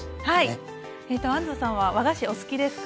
安藤さんは和菓子お好きですか？